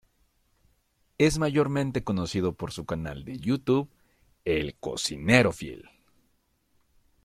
Es mayormente conocido por su canal de youtube "El Cocinero Fiel".